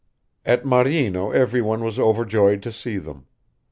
At Maryino everyone was overjoyed to see them.